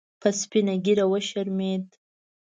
په سپینه ګیره وشرمید